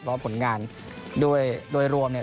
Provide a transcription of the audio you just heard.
เพราะผลงานด้วยโดยรวมเนี่ย